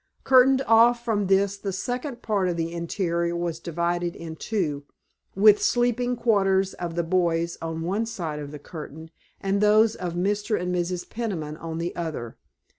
Curtained off from this the second part of the interior was divided in two, with the sleeping quarters of the boys on one side of the curtain and those of Mr. and Mrs. Peniman on the other.